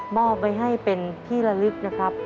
อบไว้ให้เป็นที่ละลึกนะครับ